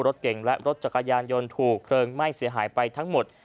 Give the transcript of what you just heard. รถเก่งและรถจักรยานยนต์ถูกเพลิงไหม้เสียหายไปทั้งหมด